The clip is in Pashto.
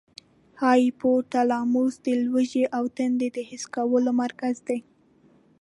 هایپو تلاموس د لوږې او تندې د حس کولو مرکز دی.